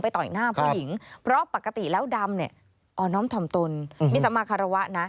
ต่อยหน้าผู้หญิงเพราะปกติแล้วดำเนี่ยอ่อน้อมถ่อมตนมีสมาคารวะนะ